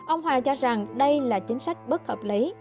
ông hòa cho rằng đây là chính sách bất hợp lý